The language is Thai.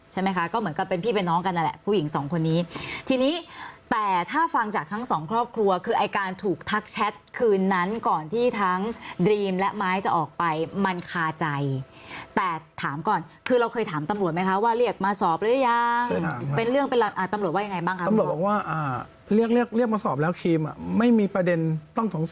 ใช่ไหมคะก็เหมือนกับเป็นพี่เป็นน้องกันนั่นแหละผู้หญิงสองคนนี้ทีนี้แต่ถ้าฟังจากทั้งสองครอบครัวคือไอ้การถูกทักแชทคืนนั้นก่อนที่ทั้งดรีมและไม้จะออกไปมันคาใจแต่ถามก่อนคือเราเคยถามตำรวจไหมคะว่าเรียกมาสอบหรือยังเป็นเรื่องเป็นราตำรวจว่ายังไงบ้างคะตำรวจบอกว่าเลือกเลือกมาสอบแล้วครีมอ่ะไม่มีประเด็นต้องสงสัย